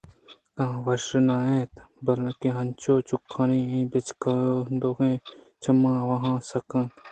آ ہوش ءَ نہ اِت اَنت کہ چنچو چکُانی بچکندوکیں چم آواناں سّک اِنت